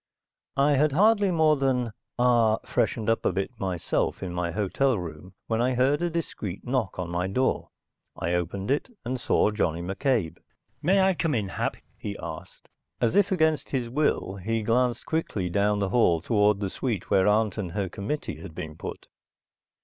I had hardly more than ah freshened up a bit myself in my hotel room, when I heard a discreet knock on my door. I opened it and saw Johnny McCabe. "May I come in, Hap?" he asked. As if against his will, he glanced quickly down the hall toward the suite where aunt and her committee had been put.